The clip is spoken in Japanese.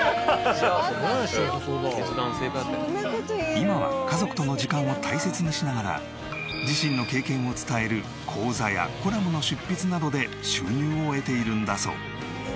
今は家族との時間を大切にしながら自身の経験を伝える講座やコラムの執筆などで収入を得ているんだそう。